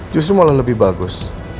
justru malah lebih bagus